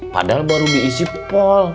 padahal baru diisi pol